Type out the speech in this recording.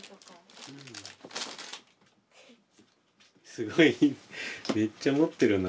すごいめっちゃ持ってるな。